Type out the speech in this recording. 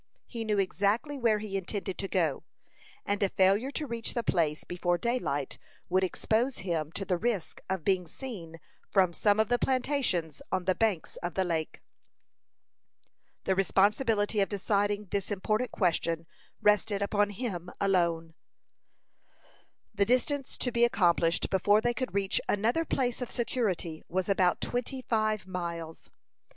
He knew exactly where he intended to go, and a failure to reach the place before daylight would expose him to the risk of being seen from some of the plantations on the banks of the lake. The responsibility of deciding this important question rested upon him alone. The distance to be accomplished before they could reach another place of security was about twenty five miles.